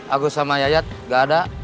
agus sama yayat gak ada